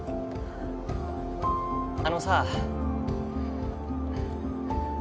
あのさ